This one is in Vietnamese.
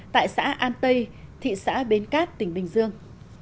tại xã an tây thị xã bến cát tỉnh bình dương